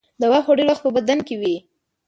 دوا خو ډېر وخت په بدن کې وي.